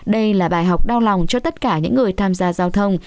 đây là bài học đau lòng cho tất cả những người tham gia giao thông